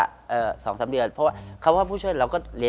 เป็นแบบนี้แบบนี้๑๒๓๔อะไรอย่างงี้